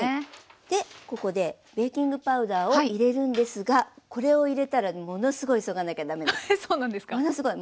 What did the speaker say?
ここでベーキングパウダーを入れるんですがこれを入れたらものすごい急がなきゃ駄目です。